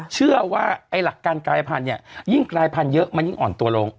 เชื่อว่าไอ้หลักการกายพันธุ์เนี่ยยิ่งกลายพันธุ์เยอะมันยิ่งอ่อนตัวลง